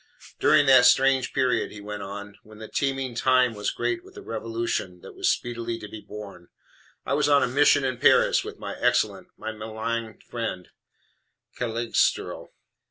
"During that strange period," he went on, "when the teeming Time was great with the revolution that was speedily to be born, I was on a mission in Paris with my excellent, my maligned friend, Cagliostro.